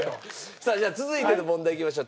さあじゃあ続いての問題いきましょう。